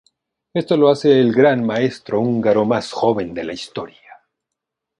Esto lo hace el gran maestro húngaro más joven de la historia.